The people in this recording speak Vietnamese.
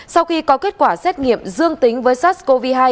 sau khi có kết quả xét nghiệm dương tính với sars cov hai